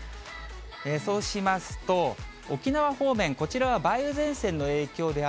そうしますと、沖縄方面、こちらは梅雨前線の影響で雨。